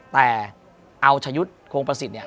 แต่เอาชะยุทธ์โครงประสิทธิ์เนี่ย